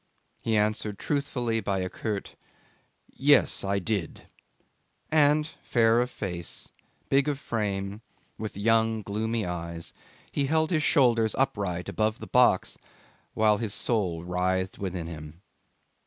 He answered truthfully by a curt 'Yes, I did'; and fair of face, big of frame, with young, gloomy eyes, he held his shoulders upright above the box while his soul writhed within him.